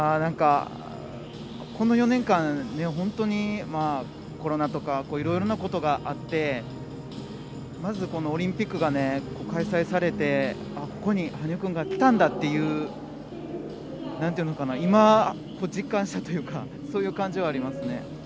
この４年間本当にコロナとかいろいろなことがあってまず、オリンピックが開催されて、ここに羽生君が来たんだということを今、実感したというかそういう感じはありますね。